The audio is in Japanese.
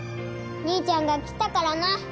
兄ちゃんが来たからな